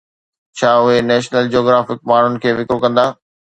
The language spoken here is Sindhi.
ڇا اهي نيشنل جيوگرافڪ ماڻهن کي وڪرو ڪندا؟